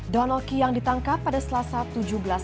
floridaai ini bisa mendekat tradisional headed pada listeners